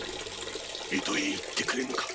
江戸へ行ってくれぬか。